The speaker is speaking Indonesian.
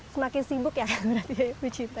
semakin sibuk ya kan berarti ya bu cinta